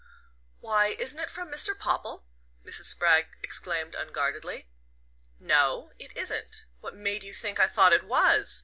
"Why isn't it from Mr. Popple?" Mrs. Spragg exclaimed unguardedly. "No it isn't. What made you think I thought it was?"